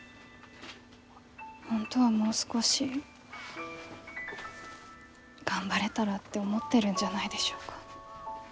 本当はもう少し頑張れたらって思ってるんじゃないでしょうか？